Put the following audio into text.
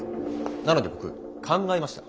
なので僕考えました。